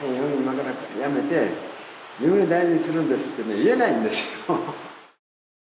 やめて嫁を大事にするんですってね言えないんですよ。